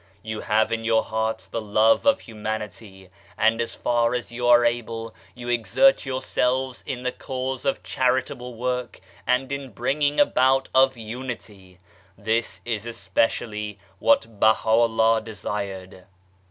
You have in your hearts the love of human ity, and as far as you are able, you exert yourselves in the cause of charitable work and in the bringing about of Unity ; this is especially what Baha'u'llah desired.